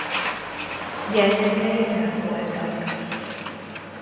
Gyermekei nem voltak.